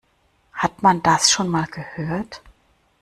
Hat man das schon mal gehört?